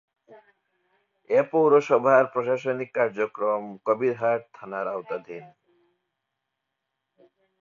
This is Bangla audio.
এ পৌরসভার প্রশাসনিক কার্যক্রম কবিরহাট থানার আওতাধীন।